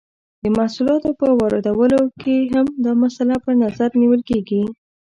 د محصولاتو په واردولو کې هم دا مسئله په نظر نیول کیږي.